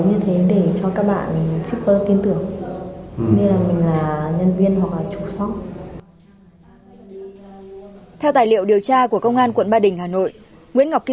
nguyễn ngọc kim ngân đã đặt tài liệu điều tra của công an quận ba đình hà nội